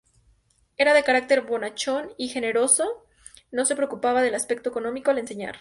Era de carácter bonachón y generoso, no se preocupaba del aspecto económico al enseñar.